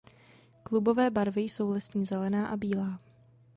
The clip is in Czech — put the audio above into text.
Klubové barvy jsou lesní zelená a bílá.